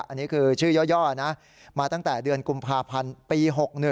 อันนี้คือชื่อย่อนะมาตั้งแต่เดือนกุมภาพันธ์ปี๖๑